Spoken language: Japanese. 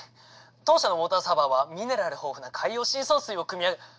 当社のウォーターサーバーはミネラル豊富な海洋深層水をくみ上げ。